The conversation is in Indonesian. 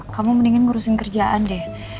kamu mendingan ngurusin kerjaan deh